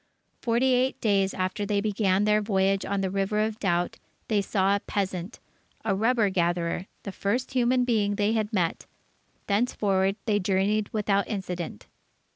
Forty eight days, after they began their voyage on the River of Doubt, they saw a peasant, a rubber gatherer, the first human being they had met. Thenceforward they journeyed without incident.